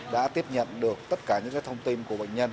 đã tiếp nhận được tất cả những thông tin của bệnh nhân